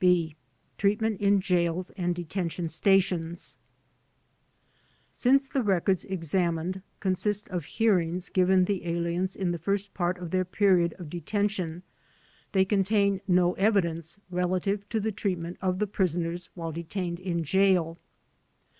B. Treatment in Jails and Detention Stations Since the records examined consist of hearings given the aliens in the first part of their period of detention they contain no evidence relative to the treatment of the prisoners while detained in jail.